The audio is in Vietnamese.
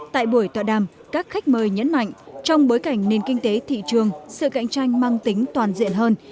tại buổi tọa đàm các khách mời nhấn mạnh trong bối cảnh nền kinh tế thị trường sự cạnh tranh mang tính toàn diện hơn